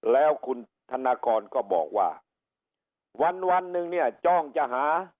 แล้วคุณธนากรก็บอกว่าวันวันหนึ่งเนี่ยจ้องจะหา